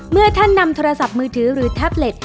เมื่อท่านนำโทรศัพท์มือถือหรือแท็บเล็ต